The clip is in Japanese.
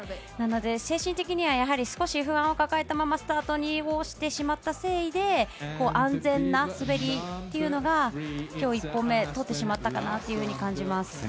なので、精神的にはやはり少し不安を抱えたままスタートをしてしまったせいで安全な滑りというのがきょう１本目とってしまったかなというふうに感じます。